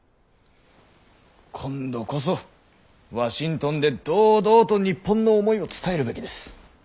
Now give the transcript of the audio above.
今度こそワシントンで堂々と日本の思いを伝えるべきです。